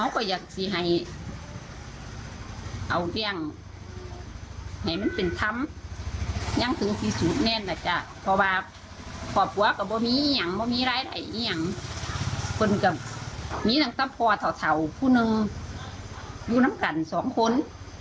พ่อปัวและพ่อหืงกระบุพะกรเป็นต่ำพอโชคที่ผู้นึงอยู่รั้งกัน๒คน